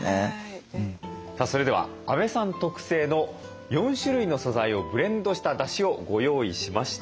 さあそれでは阿部さん特製の４種類の素材をブレンドしただしをご用意しました。